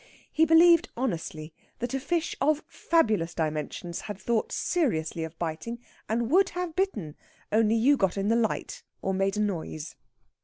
He believed, honestly, that a fish of fabulous dimensions had thought seriously of biting, and would have bitten, only you got in the light, or made a noise.